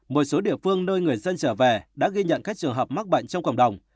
một số địa phương nơi người dân trở về đã ghi nhận các trường hợp mắc bệnh trong cộng đồng